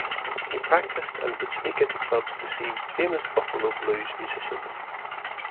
He practiced and would sneak into clubs to see famous Buffalo blues musicians.